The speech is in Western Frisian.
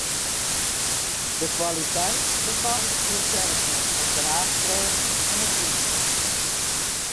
De kwaliteit bepaalt de sterkte en draachkrêft fan it iis.